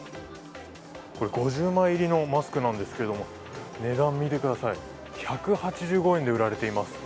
これ、５０枚入りのマスクなんですけど値段見てください、１８５円で売られています。